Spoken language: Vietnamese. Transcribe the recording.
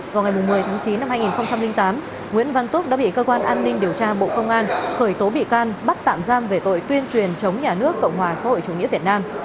vào ngày một mươi tháng chín năm hai nghìn tám nguyễn văn túc đã bị cơ quan an ninh điều tra bộ công an khởi tố bị can bắt tạm giam về tội tuyên truyền chống nhà nước cộng hòa xã hội chủ nghĩa việt nam